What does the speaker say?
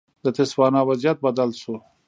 د تسوانا وضعیت بدل شو.